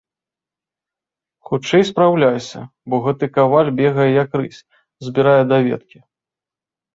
Хутчэй спраўляйся, бо гэты каваль бегае, як рысь, збірае даведкі.